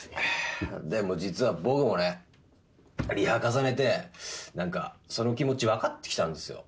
でも実は僕もねリハ重ねて何かその気持ち分かってきたんですよ。